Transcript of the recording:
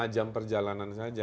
lima jam perjalanan saja